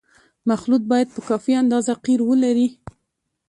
مخلوط باید په کافي اندازه قیر ولري